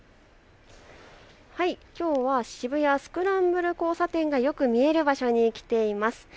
きょうは渋谷スクランブル交差点がよく見える場所に来ています。